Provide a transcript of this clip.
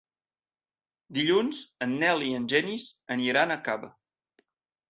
Dilluns en Nel i en Genís aniran a Cava.